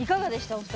お二人。